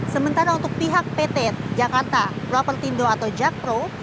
sementara untuk pihak pt jakarta propertindo atau jakpro